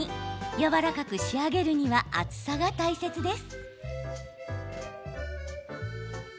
やわらかく仕上げるには厚さが大切です。